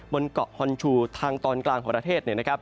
บนเกาะฮอนชูทางตอนกลางของประเทศ